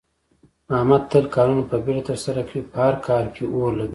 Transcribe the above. احمد تل کارونه په بیړه ترسره کوي، په هر کار کې اور لگوي.